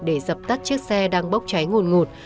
để dập tắt chiếc xe đang bốc cháy ngồn ngụt